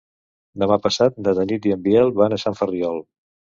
Demà passat na Tanit i en Biel van a Sant Ferriol.